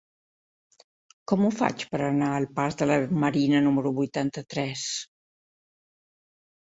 Com ho faig per anar al pas de la Marina número vuitanta-tres?